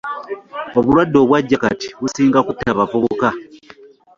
Obulwadde obwajja kati businga kutta bavubuka.